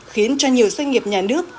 khiến cho nhiều doanh nghiệp nhà nước